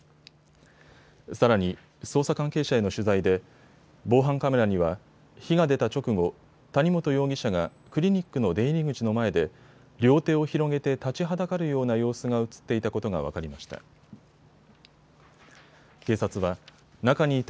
さらに捜査関係者への取材で防犯カメラには火が出た直後、谷本容疑者がクリニックの出入り口の前で両手を広げて立ちはだかるような様子が写っていたことが分かりました。